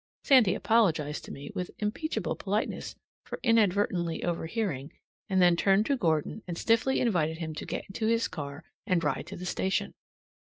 Sandy apologized to me with unimpeachable politeness for inadvertently overhearing, and then turned to Gordon and stiffly invited him to get into his car and ride to the station.